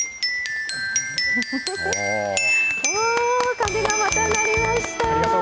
鐘が、また鳴りました。